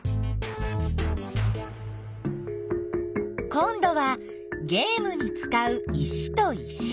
こんどはゲームにつかう石と石。